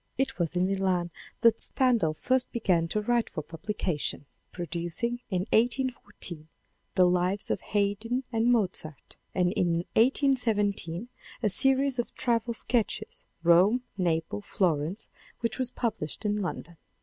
It was in Milan that Stendhal first began to write for publication, INTRODUCTION ix. producing in 1814 The Lives of Haydn and Mozart, and in 18 17 a series of travel sketches, Rome, Naples, Florence, which was published in London.